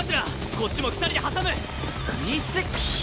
こっちも２人で挟む！